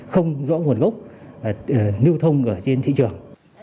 không rõ nguồn gốc nưu thông trên thị trường